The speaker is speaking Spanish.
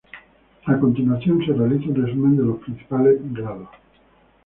A continuación se realiza un resumen de los principales grados.